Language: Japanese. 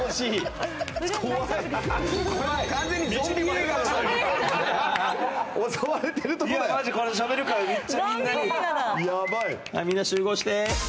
はいみんな集合して。